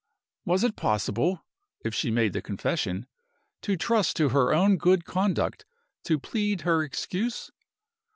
Was it possible (if she made the confession) to trust to her own good conduct to plead her excuse?